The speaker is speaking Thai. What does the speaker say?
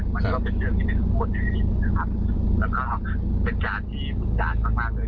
มันก็เป็นเรื่องที่เป็นทุกคนอยู่ดีแล้วก็เป็นการที่ผู้ชามมากเลย